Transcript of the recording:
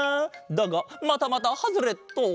だがまたまたハズレット！